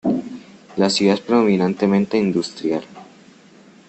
La ciudad es predominantemente industrial.